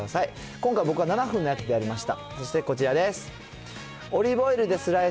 今回、僕は７分のでやりました。